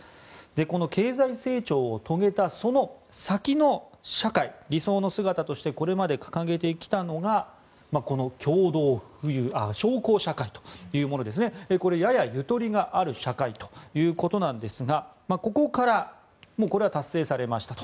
この経済成長を遂げたその先の社会理想の姿としてこれまで掲げてきたのがこの小康社会というものですねややゆとりがある社会ということなんですがここからこれはもう達成されましたと。